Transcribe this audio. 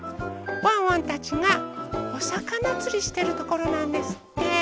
ワンワンたちがおさかなつりしてるところなんですって。